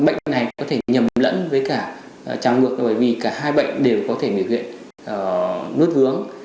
bệnh này có thể nhầm lẫn với cả trào ngược bởi vì cả hai bệnh đều có thể biểu hiện nuốt vướng